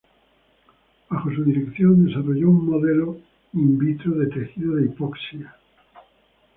Bajo su dirección desarrolló un modelo in vitro de tejido de hipoxia.